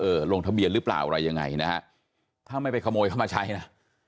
ลงทะเบียนหรือเปล่าอะไรยังไงนะฮะถ้าไม่ไปขโมยเข้ามาใช้นะ